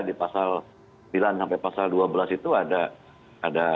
di pasal sembilan sampai pasal dua belas itu ada